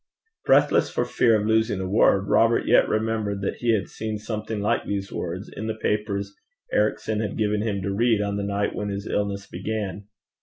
Breathless for fear of losing a word, Robert yet remembered that he had seen something like these words in the papers Ericson had given him to read on the night when his illness began.